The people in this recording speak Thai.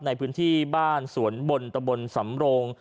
ในพื้นที่บ้านสวนบนตะบนสำโรง